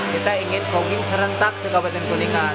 kita ingin komin serentak di kabupaten kuningan